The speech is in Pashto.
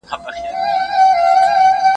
خپل کور په پاکه فضا کي وساتئ.